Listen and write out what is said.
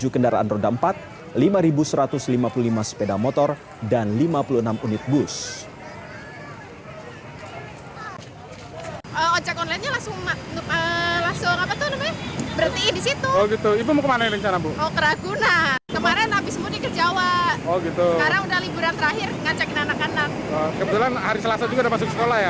tujuh kendaraan roda empat lima satu ratus lima puluh lima sepeda motor dan lima puluh enam unit bus